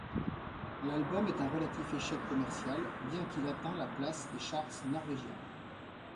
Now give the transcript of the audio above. L'album est un relatif échec commercial bien qu'il atteint la place des charts norvégiens.